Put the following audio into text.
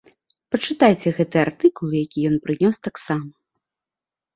Пачытайце гэты артыкул, які ён прынёс таксама.